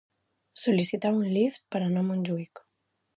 Sol·licitar un Lyft per anar a Montjuïc.